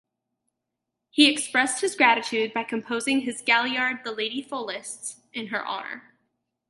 He expressed his gratitude by composing his "Galliard, The Lady Folliot's" in her honour.